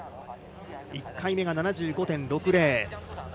１回目、７５．６０。